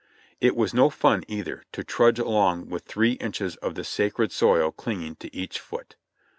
It was no fun, either, to trudge along with three inches of the sacred soil clinging to each foot.